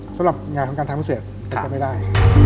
สำหรับงานของการทางพิเศษมันก็ไม่ได้